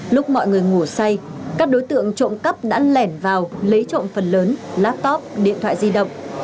lúc mọi người ngủ say các đối tượng trộm cắp đã lẻn vào lấy trộm phần lớn laptop điện thoại di động